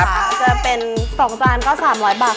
จะเป็น๒จานก็๓๐๐บาท